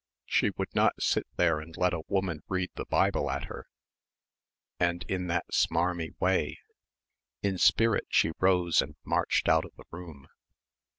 She would not sit there and let a woman read the Bible at her ... and in that "smarmy" way.... In spirit she rose and marched out of the room.